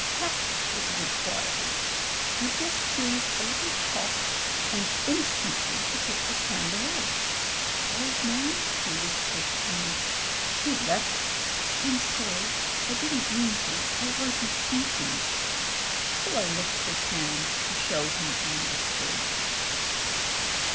Tact was required. I just gave a little cough, and instantly he took his hand away. *01d man,' he whispered to me — she'd left us — 'I'm JAMES HENRY 221 sorry. I didn't mean to — I wasn't thinking/ So I licked his hand to show him I understood."